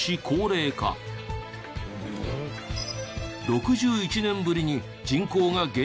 ６１年ぶりに人口が減少。